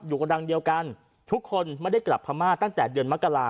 กระดังเดียวกันทุกคนไม่ได้กลับพม่าตั้งแต่เดือนมกรา